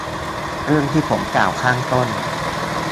เรื่องที่ผมกล่าวข้างต้น